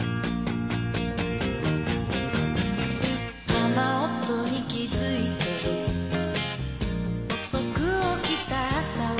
「雨音に気づいて」「遅く起きた朝は」